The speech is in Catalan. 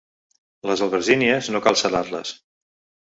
Les albergínies, no cal salar-les.